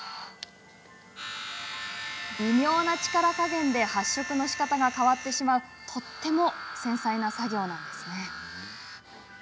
微妙な力加減で発色のしかたが変わってしまうとても繊細な作業です。